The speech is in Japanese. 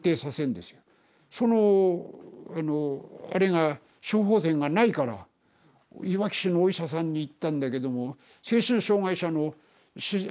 そのあのあれが処方箋がないからいわき市のお医者さんに行ったんだけども精神障害者のお医者さん